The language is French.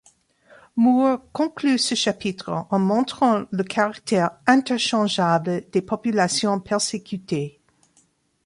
Moore conclut ce chapitre en montrant le caractère interchangeable des populations persécutées.